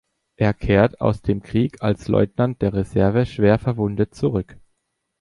Er kehrte aus dem Krieg als Leutnant der Reserve schwer verwundet zurück.